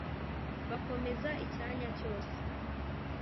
Bakomeza icyanya cyose;